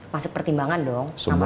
masuk pertimbangan dong